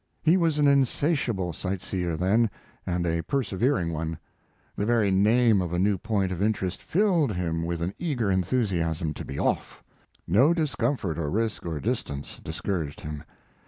He was an insatiable sight seer then, and a persevering one. The very name of a new point of interest filled him with an eager enthusiasm to be off. No discomfort or risk or distance discouraged him.